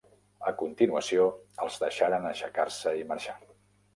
A continuació els deixaran aixecar-se i marxar.